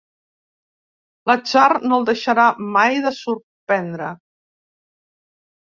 L'atzar no el deixarà mai de sorprendre.